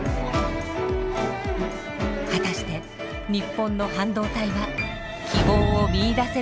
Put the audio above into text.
果たしてニッポンの半導体は希望を見いだせるのでしょうか？